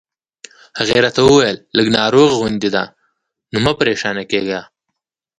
هغې راته وویل: لږ ناروغه غوندې ده، نو مه پرېشانه کېږه.